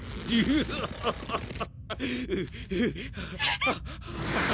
ハハハハハ！